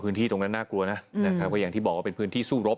ตรงนั้นน่ากลัวนะนะครับก็อย่างที่บอกว่าเป็นพื้นที่สู้รบ